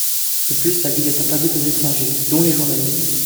De plus, la ville est interdite aux étrangers, dont les journalistes.